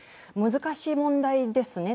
難しい問題ですね。